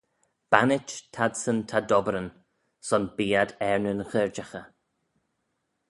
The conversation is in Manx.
Bannit t'adsyn ta dobberan: son bee ad er nyn gherjaghey.